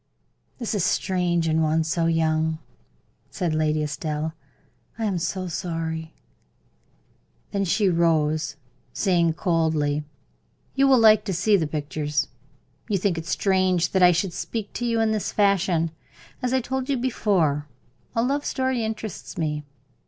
"That is strange in one so young," said Lady Estelle. "I am so sorry." Then she rose, saying, coldly: "You will like to see the pictures. You think it strange that I should speak to you in this fashion. As I told you before, a love story interests me.